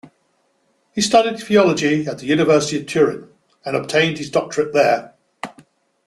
He studied theology at the University of Turin, and obtained his doctorate there.